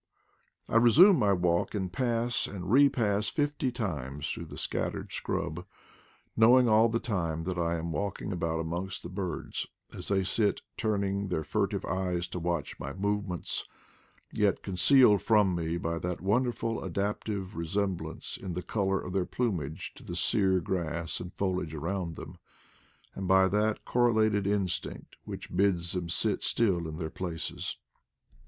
I resume my walk and pass and repass fifty times through the scattered scrub, knowing all the time that I am walking about amongst the birds, as they sit turning their fur tive eyes to watch my movements, yet concealed from me by that wonderful adaptive resemblance in the color of their plumage to the sear grass and foliage around them, and by that correlated instinct which bids them sit still in their places.